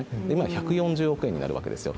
１４０億円になるわけですよ。